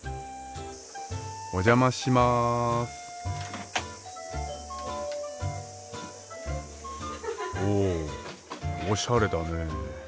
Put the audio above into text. お邪魔します。おおしゃれだね。